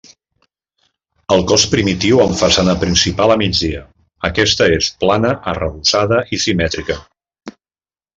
El cos primitiu amb façana principal a migdia, aquesta es plana, arrebossada i simètrica.